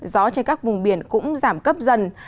gió trên các vùng biển cũng giảm cấp dần